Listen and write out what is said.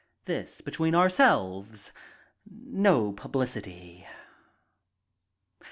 This between ourselves — no publicity."